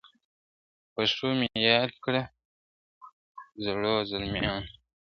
په ښو مي یاد کړی زړو، زلمیانو ..